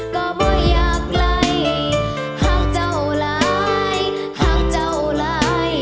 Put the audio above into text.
ก็ไม่อยากไกลห่างเจ้าหลายหากเจ้าหลาย